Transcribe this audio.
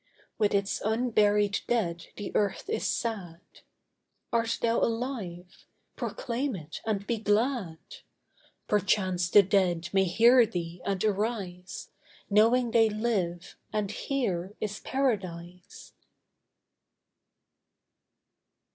With its unburied dead the earth is sad. Art thou alive? proclaim it and be glad. Perchance the dead may hear thee and arise, Knowing they live, and here is Paradise.